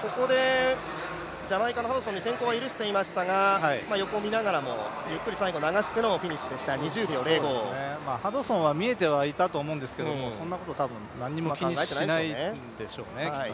ここでジャマイカのハドソンに先行を許していましたが横見ながらも、ゆっくり最後流してのフィニッシュでしたハドソンは見えてはいたとは思うんですけどそんなこと多分気にしていないでしょうね、きっと。